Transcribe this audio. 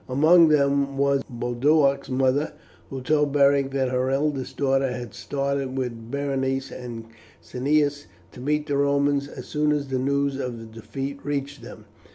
Among them was Boduoc's mother, who told Beric that her eldest daughter had started with Berenice and Cneius to meet the Romans as soon as the news of the defeat reached them.